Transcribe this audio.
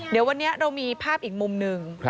เดี๋ยววันนี้เรามีภาพอีกมุมหนึ่ง